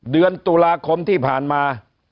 เดือนตุลาคมที่ผ่านมา